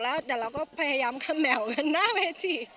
แล้วเดี๋ยวเราก็พยายามเขม่าวกันหน้าเวที